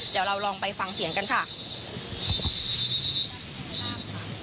เดี๋ยวเราลองไปฟังเสียงกันค่ะ